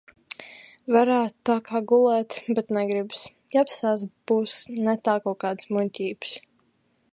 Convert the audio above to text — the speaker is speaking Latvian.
Varētu tā kā gulēt, bet negribas. Jāpaskatās būs netā kaut kādas muļķības.